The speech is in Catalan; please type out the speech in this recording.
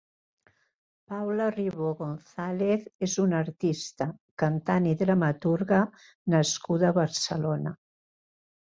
Paula Ribó González és una artista, cantant i dramaturga nascuda a Barcelona.